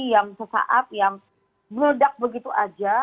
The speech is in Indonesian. yang sesaat yang meledak begitu aja